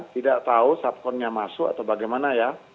tidak tahu satkonnya masuk atau bagaimana ya